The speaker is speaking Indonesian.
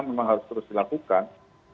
memang harus terus dilakukan